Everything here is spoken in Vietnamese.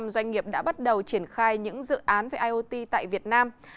bảy mươi doanh nghiệp đã bắt đầu triển khai những dự án về iot tại việt nam